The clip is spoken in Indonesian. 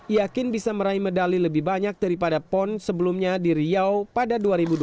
yakin bisa meraih medali lebih banyak daripada pon sebelumnya di riau pada dua ribu dua puluh